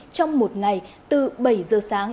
trong một ngày từ bảy giờ sáng